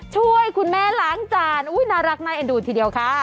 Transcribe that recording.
ช่วยคุณแม่หลางจานอุ๊ยน่ารักมากแอ่นดูดทีเดียวค่ะ